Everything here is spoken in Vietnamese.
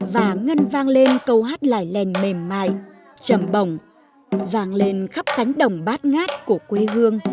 và ngân vang lên câu hát lại lèn mềm mại chầm bồng vang lên khắp cánh đồng bát ngát của quê hương